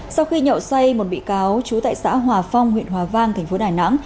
sau khi nhậu xoay một bị cáo chú tại xã hòa phong huyện hòa vang thành phố đài nẵng